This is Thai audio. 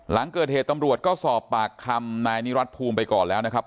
หลังเกิดเหตุตำรวจก็สอบปากคำนายนิรัติภูมิไปก่อนแล้วนะครับ